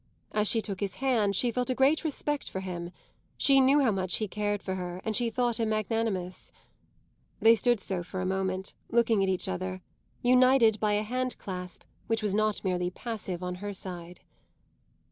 As she took his hand she felt a great respect for him; she knew how much he cared for her and she thought him magnanimous. They stood so for a moment, looking at each other, united by a hand clasp which was not merely passive on her side.